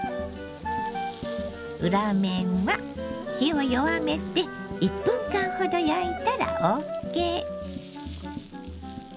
裏面は火を弱めて１分間ほど焼いたらＯＫ。